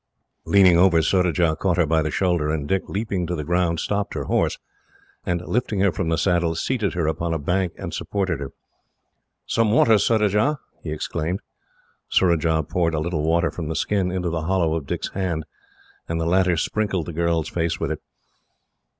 Leaning over, Surajah caught her by the shoulder; and Dick, leaping to the ground, stopped her horse, and, lifting her from the saddle, seated her upon a bank and supported her. "Some water, Surajah!" he exclaimed. Surajah poured a little water from the skin into the hollow of Dick's hand, and the latter sprinkled the girl's face with it.